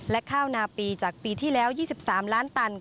และข้าวนาปีจากปีที่แล้ว๒๓ล้านตัน